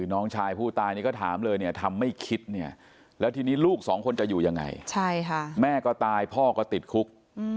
น้องชายผู้ตายนี่ก็ถามเลยเนี่ยทำไม่คิดเนี่ยแล้วทีนี้ลูกสองคนจะอยู่ยังไงแม่ก็ตายพ่อก็ติดคุก